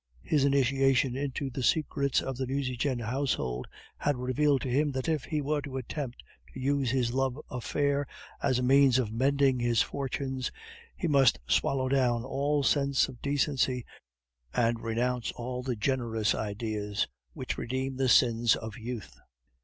His initiation into the secrets of the Nucingen household had revealed to him that if he were to attempt to use this love affair as a means of mending his fortunes, he must swallow down all sense of decency, and renounce all the generous ideas which redeem the sins of youth.